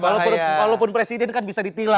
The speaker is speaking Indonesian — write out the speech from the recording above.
walaupun presiden kan bisa ditilah